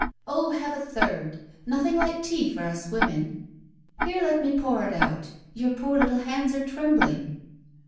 "Oh, have a third ! Nothing like tea for us women ! Here, let me pour it out. Your poor little hands are trembling."